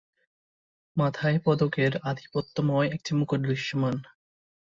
মাথায় পদকের আধিপত্যময় একটি মুকুট দৃশ্যমান।